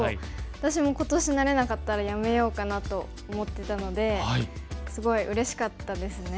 私も今年なれなかったらやめようかなと思ってたのですごいうれしかったですね。